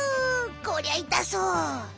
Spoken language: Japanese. こりゃいたそう。